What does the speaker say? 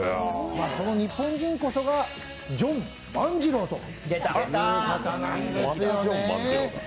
その日本人こそがジョン万次郎という方なんです。